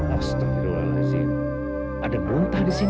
astagfirullahaladzim ada bontak di sini